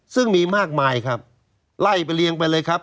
ซึ่งมีมากมายครับไล่ไปเรียงไปเลยครับ